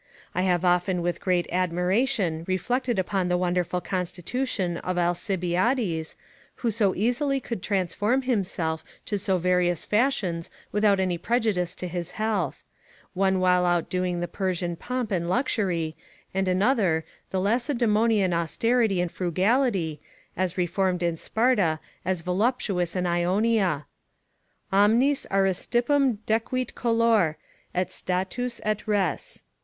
I have often with great admiration reflected upon the wonderful constitution of Alcibiades, who so easily could transform himself to so various fashions without any prejudice to his health; one while outdoing the Persian pomp and luxury, and another, the Lacedaemonian austerity and frugality; as reformed in Sparta, as voluptuous in Ionia: "Omnis Aristippum decuit color, et status, et res."